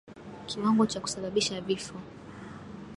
Kiwango cha kusababisha vifo